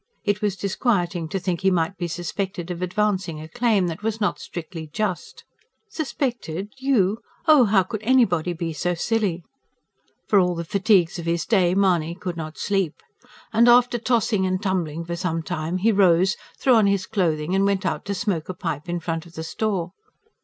It was disquieting to think he might be suspected of advancing a claim that was not strictly just. "Suspected? ... YOU? Oh, how could anybody be so silly!" For all the fatigues of his day Mahony could not sleep. And after tossing and tumbling for some time, he rose, threw on his clothing and went out to smoke a pipe in front of the store.